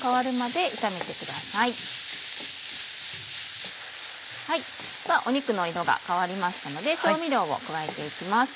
では肉の色が変わりましたので調味料を加えて行きます。